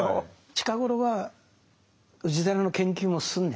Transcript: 近頃は氏真の研究も進んでね